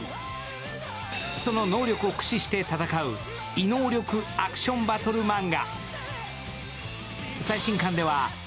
その能力を駆使して戦う異能力アクションバトルマンガ。